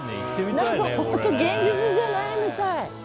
何か現実じゃないみたい。